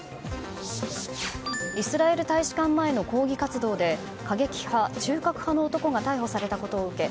イスラエル大使館前の抗議活動で過激派中核派の男が逮捕されたことを受け